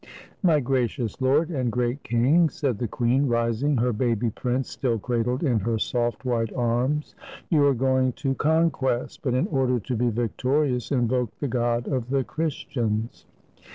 "My gracious lord, and great king!" said the queen, rising, her baby prince still cradled in her soft white arms, "you are going to conquest; but in order to be vic torious, invoke the God of the Christians.